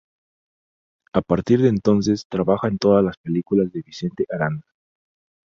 A partir de entonces trabaja en todas las películas de Vicente Aranda.